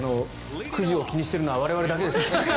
９時を気にしているのは我々だけです。